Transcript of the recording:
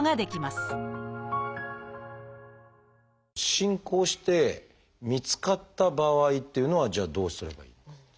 進行して見つかった場合っていうのはじゃあどうすればいいのかっていう。